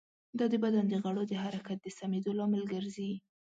دا د بدن د غړو د حرکت د سمېدو لامل ګرځي.